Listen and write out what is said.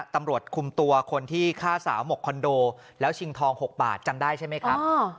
ตำรวจคุมตัวคนที่ฆ่าสาวหมกคอนโดแล้วชิงทอง๖บาทจำได้ใช่ไหมครับ